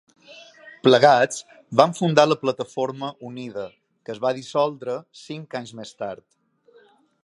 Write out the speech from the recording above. Plegats van fundar la Plataforma Unida, que es va dissoldre cinc anys més tard.